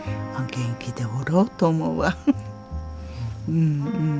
うんうん。